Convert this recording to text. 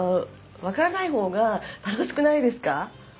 分からない方が楽しくないですか？